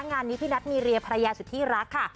งานนี้พี่นัทมีเรียภรรยาสุดที่รักค่ะ